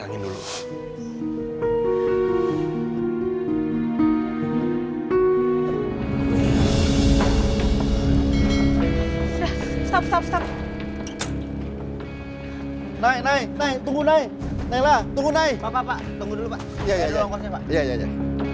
nailah tunggu nailah tunggu nailah tunggu dulu ya ya ya ya